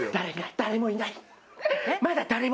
誰もいない。